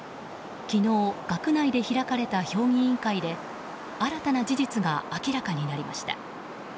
昨日、学内で開かれた評議委員会で新たな事実が明らかになりました。